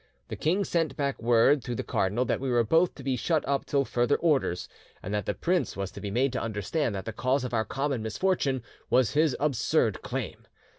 The king sent back word through the cardinal that we were both to be shut up till further orders, and that the prince was to be made to understand that the cause of our common misfortune was his absurd claim.